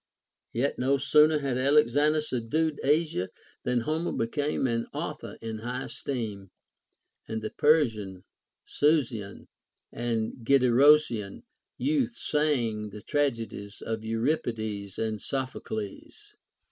Yet no sooner had Alexander subdued Asia, than Homer became an author in high esteem, and the Persian, Susian, and Gedrosian youth sang the tragedies of Eurip ides and Sophocles.